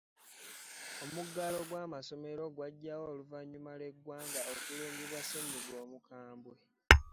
Omuggalo gw'amasomero gwajjawo oluvanyuma lw'eggwanga okulumbibwa ssenyiga omukambwe.